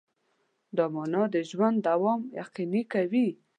دا مانا د ژوند دوام یقیني کوي.